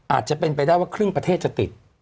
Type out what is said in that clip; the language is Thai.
อาจจะเป็นไปได้ว่าครึ่งประเทศจะติด